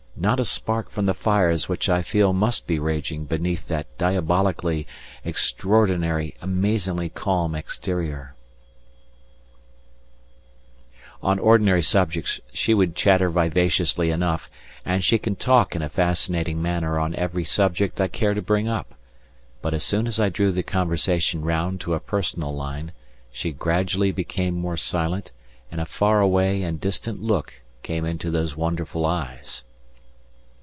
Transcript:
not a spark from the fires which I feel must be raging beneath that diabolically extraordinary amazingly calm exterior. [Footnote 1: These words are crossed out. ETIENNE.] On ordinary subjects she would chatter vivaciously enough and she can talk in a fascinating manner on every subject I care to bring up, but as soon as I drew the conversation round to a personal line she gradually became more silent and a far away and distant look came into those wonderful eyes.